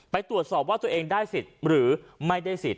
ไปตรวจสอบว่าตัวเองได้สิทธิ์หรือไม่ได้สิทธิ